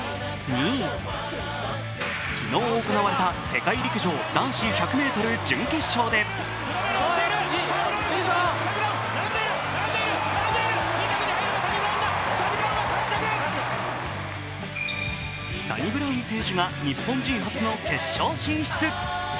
昨日行われた世界陸上男子１００ｍ準決勝でサニブラウン選手が日本人初の決勝進出。